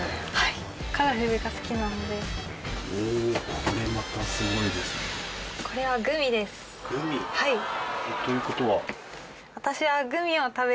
これまたすごいですね。ということは？